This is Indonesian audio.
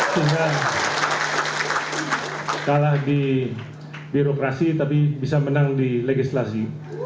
tuhan kalah di birokrasi tapi bisa menang di legislasi